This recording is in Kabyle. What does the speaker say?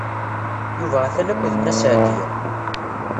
Yuba atan akked Nna Seɛdiya.